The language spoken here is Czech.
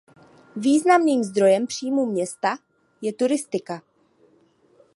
Významným zdrojem příjmů města je turistika.